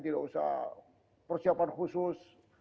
tidak usah persiapan khusus